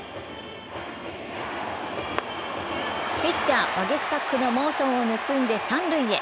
ピッチャー・ワゲスパックのモーションを盗んで三塁へ。